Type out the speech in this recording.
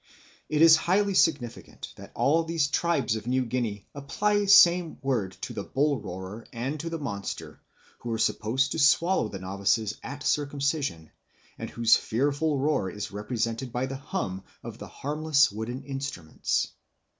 It is highly significant that all these tribes of New Guinea apply the same word to the bull roarer and to the monster, who is supposed to swallow the novices at circumcision, and whose fearful roar is represented by the hum of the harmless wooden instruments.